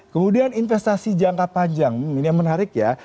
kemudian investasi jangka panjang ini yang menarik ya